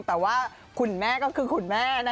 แต่ว่าคุณแม่ก็คือคุณแม่